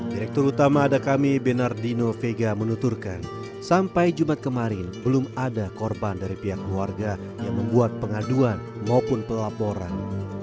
direktur utama adakame bernardino vega menuturkan sampai jumat kemarin belum ada korban dari pihak keluarga yang membuat pengaduan maupun pelaporan